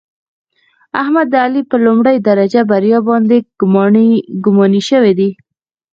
احمد د علي په لومړۍ درجه بریا باندې ګماني شوی دی.